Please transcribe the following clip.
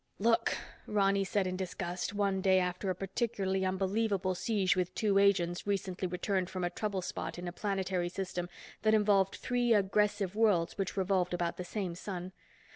"Look," Ronny said in disgust one day after a particularly unbelievable siege with two agents recently returned from a trouble spot in a planetary system that involved three aggressive worlds which revolved about the same sun.